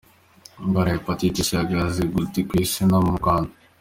Indwara ya ‘Hepatite C’ ihagaze gute ku Isi no mu Rwanda?.